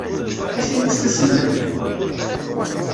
Acimi i susmen akk?